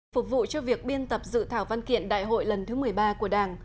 phục vụ cho việc biên tập dự thảo văn kiện đại hội lần thứ một mươi ba của đảng